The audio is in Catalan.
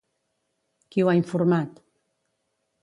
Qui ho ha informat?